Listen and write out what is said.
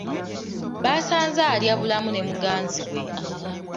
Baasanze alya bulamu ne muganzi we.